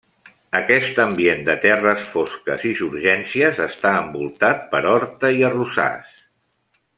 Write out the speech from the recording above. Aquest ambient de terres fosques i surgències està envoltat per horta i arrossars.